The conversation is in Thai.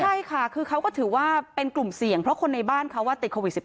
ใช่ค่ะคือเขาก็ถือว่าเป็นกลุ่มเสี่ยงเพราะคนในบ้านเขาติดโควิด๑๙